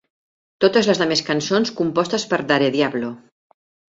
Totes les demés cançons compostes per Darediablo.